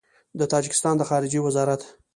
د تاجکستان د خارجه وزارت